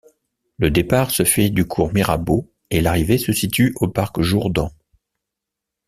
Le départ se fait du cours Mirabeau et l'arrivée se situe au parc Jourdan.